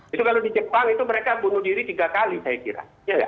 itu kalau di jepang itu mereka bunuh diri tiga kali saya kira